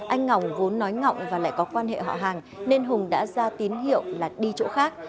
anh ngọc vốn nói ngọng và lại có quan hệ họ hàng nên hùng đã ra tín hiệu là đi chỗ khác